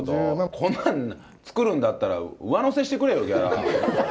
こんなん作るんだったら、上乗せしてくれよ、ギャラ。